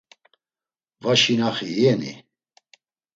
Va şinaxi iyeni?